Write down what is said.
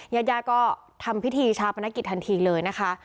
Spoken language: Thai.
ญาติยาดก็ทำพิธีชาปนกิจทันทีเลยนะคะ